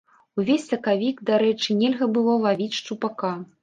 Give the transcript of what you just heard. Увесь сакавік, дарэчы, нельга было лавіць шчупака.